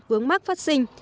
vướng mắt phát sinh